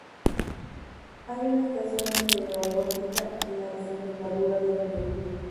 Hay una estación meteorológica en la desembocadura del río.